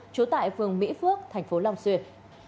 chủ tại phường mỹ phước thành phố long xuyên